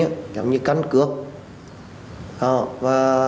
giống như căn cửa